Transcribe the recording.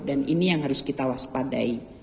dan ini yang harus kita waspadai